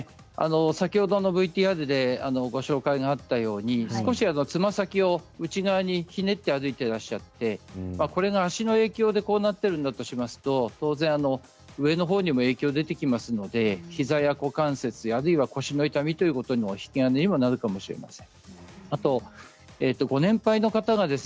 ２人目の田中さんは膝や股関節にも先ほどのＶＴＲでご紹介があったように少しつま先を内側にひねって歩いていらっしゃってこれが足の影響でこうなっているんだとしますと当然上のほうにも影響が出てきますので膝や股関節があるいは腰の痛みの引き金になるかもしれません。